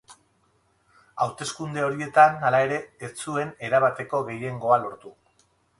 Hauteskunde horietan, hala ere, ez zuen erabateko gehiengoa lortu.